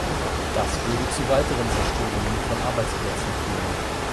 Das würde zu weiteren Zerstörungen von Arbeitsplätzen führen.